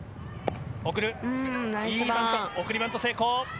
送りバント成功。